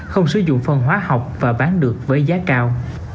không sử dụng phân hóa học và bán được với giá cao